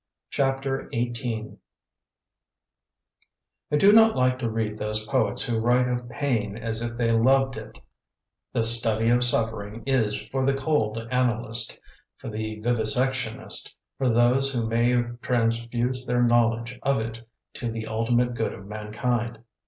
CHAPTER XVIII I do not like to read those poets who write of pain as if they loved it; the study of suffering is for the cold analyst, for the vivisectionist, for those who may transfuse their knowledge of it to the ultimate good of mankind.